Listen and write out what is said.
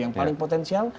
yang paling potensial